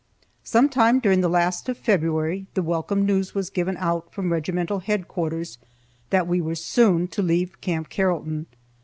Sometime during the last of February, the welcome news was given out from regimental headquarters that we were soon to leave Camp Carrollton.